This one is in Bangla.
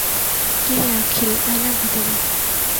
কী রে অখিল, আয় না ভিতরে।